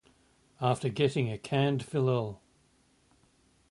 After getting a cand.philol.